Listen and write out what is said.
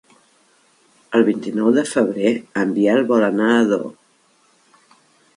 El vint-i-nou de febrer en Biel vol anar a Ador.